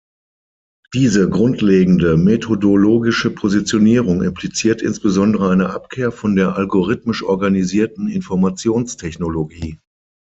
Diese grundlegende methodologische Positionierung impliziert insbesondere eine Abkehr von der algorithmisch organisierten Informationstechnologie.